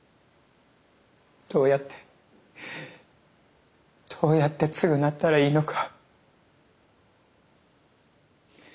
どうやってどうやって償ったらいいのか。